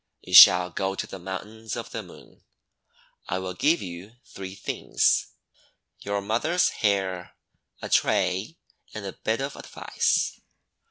You shall go to the Mountains of the Moon. I will give you three things, your mother's hair, a tray, and a bit of advice."